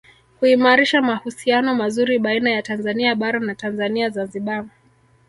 Kuimarisha mahusiano mazuri baina ya Tanzania Bara na Tanzania Zanzibar